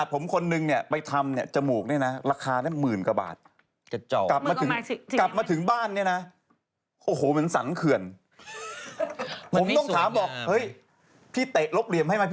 โหด้านแหละโอ้โหมันกระบุมันแบบเก็บตังค์เยอะก่อนแล้วก็ทำดีดีกว่า